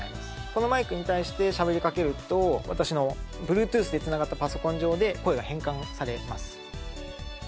このマイクに対してしゃべりかけると私のＢｌｕｅｔｏｏｔｈで繋がったパソコン上で声が変換されます。